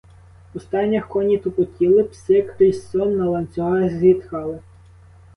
У стайнях коні тупотіли, пси крізь сон на ланцюгах зітхали.